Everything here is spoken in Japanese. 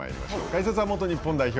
解説は元日本代表